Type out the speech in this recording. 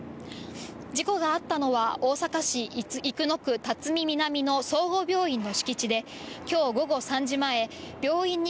事故があったのは、大阪市生野区巽南の総合病院の敷地で、きょう午後３時前、病院に